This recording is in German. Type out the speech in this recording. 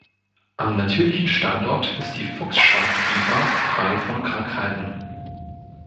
Am natürlichen Standort ist die Fuchsschwanz-Kiefer frei von Krankheiten.